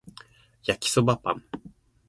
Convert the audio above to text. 焼きそばパン